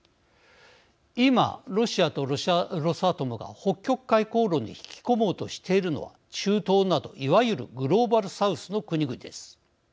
今、ロシアとロスアトムが北極海航路に引き込もうとしているのは中東など、いわゆるグローバル・サウスの国々です。